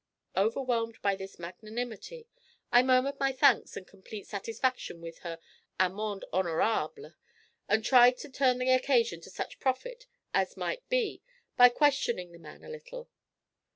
Overwhelmed by this magnanimity, I murmured my thanks and complete satisfaction with her amende honorable, and tried to turn the occasion to such profit as might be by questioning the man a little.